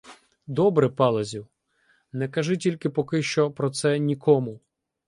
— Добре, Палазю, не кажи тільки поки що про це нікому.